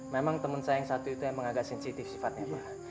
memang temen sayang satu itu yang mengagak sensitif sifatnya pak